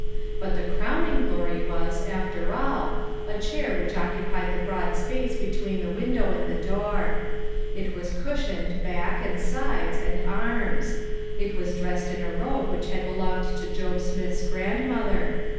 But the crowning PLEA8UKE AND DISAPPOINTMENT. 181 glory was, after all, a chair which occupied the broad space between the window and the door. It was cushioned, back, and sides, and arms ; it was dressed in a robe which had belonged to Job Smith's grandmother.